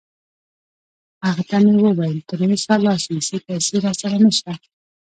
هغه ته مې وویل: تراوسه لا سویسی پیسې راسره نشته.